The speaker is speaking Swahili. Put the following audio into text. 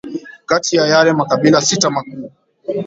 kati ya yale makabila sita makuu